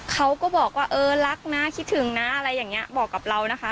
เขาก็บอกว่าเออรักนะคิดถึงนะอะไรอย่างนี้บอกกับเรานะคะ